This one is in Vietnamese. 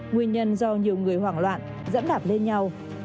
nguyên nhân do nhiều người hoảng loạn dẫm đạp lên nhau